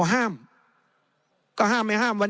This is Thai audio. ในทางปฏิบัติมันไม่ได้